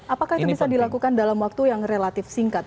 apakah itu bisa dilakukan dalam waktu yang relatif singkat